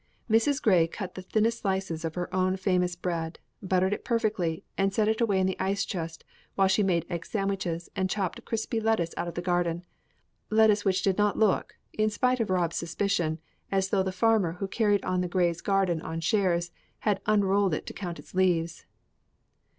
Mrs. Grey cut the thinnest slices of her own famous bread, buttered it perfectly, and set it away in the ice chest while she made egg sandwiches and chopped crispy lettuce out of the garden lettuce which did not look in spite of Rob's suspicion as though the farmer who carried on the Grey garden on shares had "unrolled it to count its leaves."